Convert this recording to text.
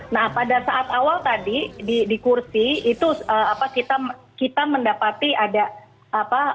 nah pada saat awal tadi di kursi itu kita mendapati ada apa